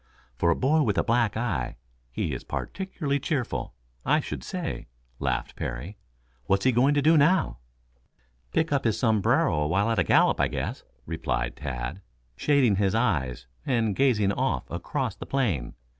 "For a boy with a black eye, he is particularly cheerful, I should say," laughed Parry. "What's he going to do now!" "Pick up his sombrero while at a gallop, I guess," replied Tad, shading his eyes and gazing off across the plain.